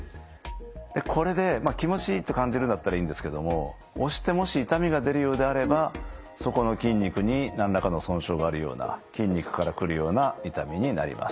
これで気持ちいいと感じるんだったらいいんですけれども押してもし痛みが出るようであればそこの筋肉に何らかの損傷があるような筋肉から来るような痛みになります。